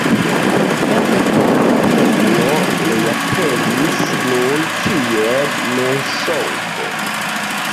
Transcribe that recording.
La epopeo reaperis nur kiel mensogo.